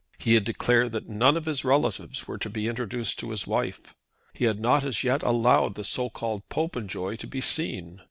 He had declared that none of his relatives were to be introduced to his wife. He had not as yet allowed the so called Popenjoy to be seen.